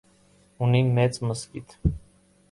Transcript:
Ունի մեծ մզկիթ։